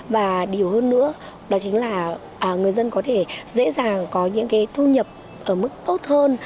và điều hơn nữa đó chính là người dân có thể dễ dàng có những cái thu nhập ở mức tốt hơn